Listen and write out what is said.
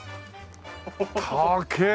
高え！